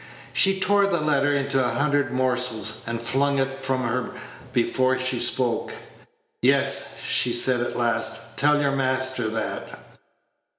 She tore the letter into a hundred morsels, and flung it from her before she spoke. "Yes," she said at last; "tell your master that."